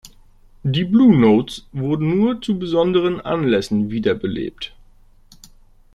Die "Blue Notes" wurden nur zu besonderen Anlässen wiederbelebt.